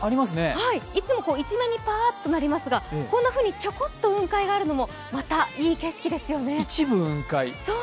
いつも一面にパーッとなりますが、こんなふうにちょこっと雲海があるのも、またいい景色ですよね。